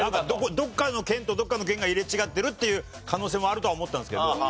どっかの県とどっかの県が入れ違ってるっていう可能性もあるとは思ったんですけど。